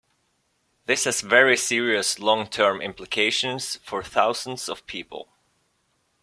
This has very serious long-term implications for thousands of people.